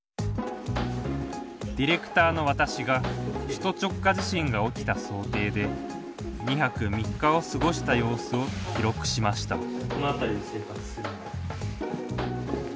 ディレクターの私が首都直下地震が起きた想定で２泊３日を過ごした様子を記録しました。